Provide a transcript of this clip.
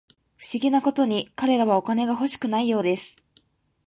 不思議なことに、彼らはお金が欲しくないようです